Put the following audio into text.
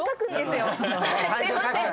すいません。